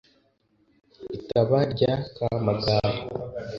i taba rya kamagari